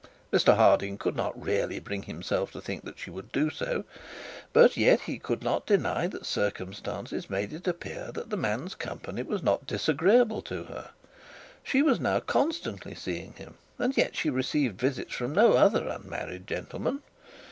Mr Harding could not really bring himself to think that she would do so, but yet he could not deny that circumstances made it appear that the man's company was not disagreeable to her. She was now constantly seeing him, and yet she received visits from no other unmarried gentleman.